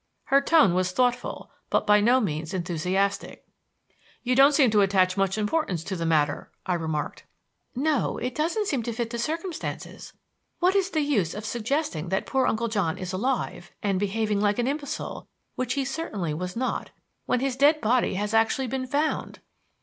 Her tone was thoughtful but by no means enthusiastic. "You don't seem to attach much importance to the matter," I remarked. "No. It doesn't seem to fit the circumstances. What is the use of suggesting that poor Uncle John is alive and behaving like an imbecile, which he certainly was not when his dead body has actually been found?"